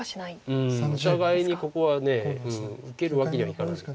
うんお互いにここは受けるわけにはいかない。